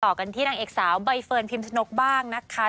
กันที่นางเอกสาวใบเฟิร์นพิมชนกบ้างนะคะ